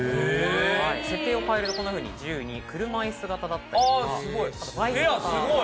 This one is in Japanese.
設計を変えるとこんなふうに自由に車椅子型だったりあとバイク型。